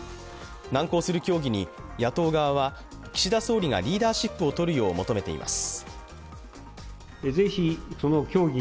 難航する協議に野党側は岸田総理がリーダーシップをとるよう求めています。